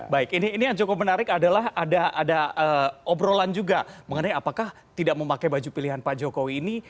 baik ini yang cukup menarik adalah ada obrolan juga mengenai apakah tidak memakai baju pilihan pak jokowi ini